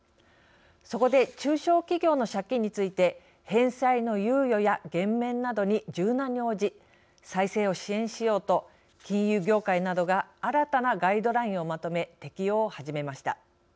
そこで中小企業の借金について返済の猶予や減免などに柔軟に応じ再生を支援しようと金融業界などが新たなガイドラインをまとめ適用を始めました。